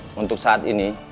maaf pak untuk saat ini